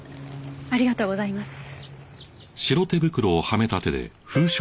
ありがとうございます。